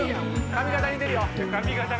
髪形似てるよ！